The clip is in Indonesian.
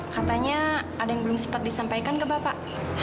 katanya ada yang belum sempat disampaikan ke bapak